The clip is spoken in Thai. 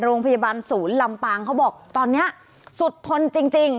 โรงพยาบาลศูนย์ลำปางเขาบอกตอนนี้สุดทนจริง